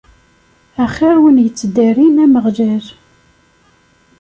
Axir win yettdarin Ameɣlal.